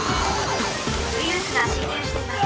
ウイルスが侵入しています。